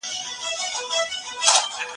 د هېواد د پرمختګ لپاره څه کول په کار دي؟